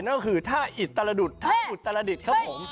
นั่นก็คือท่าอิตรดุษท่าอุตรดิษฐ์ครับผม